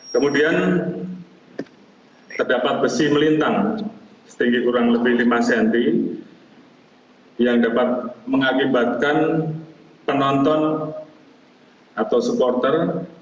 kemudian terdapat besi melintang setinggi kurang lebih lima cm yang dapat mengakibatkan penonton atau supporter